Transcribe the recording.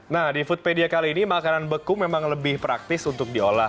nah di foodpedia kali ini makanan beku memang lebih praktis untuk diolah